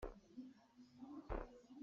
Nihin cu khua a lum.